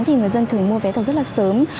thì người dân thường mua vé tàu rất là sớm